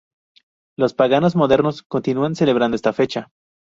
Los paganos modernos continúan celebrando esta fecha.